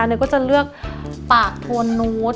หน่อยก็จะเลือกปากโทนนูส